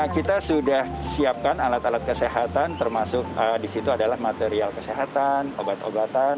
kita sudah siapkan alat alat kesehatan termasuk di situ adalah material kesehatan obat obatan